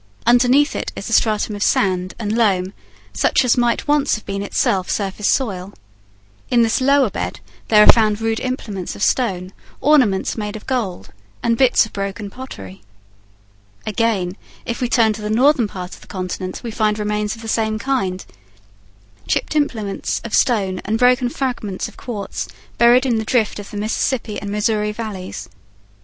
Underneath it is a stratum of sand and loam such as might once have itself been surface soil. In this lower bed there are found rude implements of stone, ornaments made of gold, and bits of broken pottery. Again, if we turn to the northern part of the continent we find remains of the same kind, chipped implements of stone and broken fragments of quartz buried in the drift of the Mississippi and Missouri valleys.